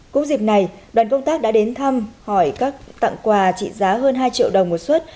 cũng dịp này đoàn công tác đã đến thăm hỏi các tặng quà trị giá hơn hai triệu đồng một xuất